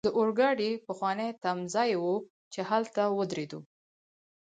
د اورګاډي پخوانی تمځای وو، چې هلته ودریدلو.